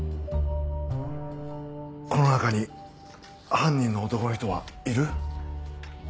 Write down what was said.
この中に犯人の男の人はいる？